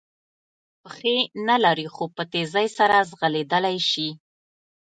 پښې نه لري خو په تېزۍ سره ځغلېدلای شي.